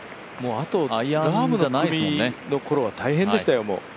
あと、ラームの組のころは大変でしたよ。